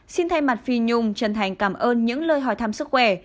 xin thay mặt phi nhung chân thành cảm ơn những lời hỏi thăm sức khỏe